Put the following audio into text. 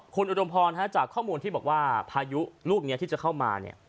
คุณอุดมพรจากข้อมูลที่บอกว่าพายุลูกนี้ที่จะเข้ามาเนี่ย